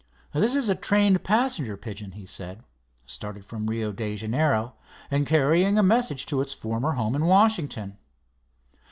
"This is a trained passenger pigeon," he said. "Started from Rio de Janeiro and carrying a message to its former home in Washington.